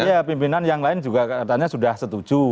iya pimpinan yang lain juga katanya sudah setuju